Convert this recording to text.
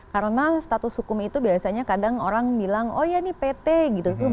karena status hukum itu biasanya kadang orang bilang oh ya ini pt gitu